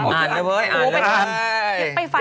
อ่านเลยอ่านเลย